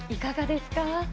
いかがですか。